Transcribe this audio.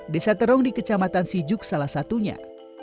desa terong di kecamatan sijuk salah satunya